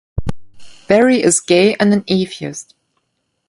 Berry is gay and an atheist.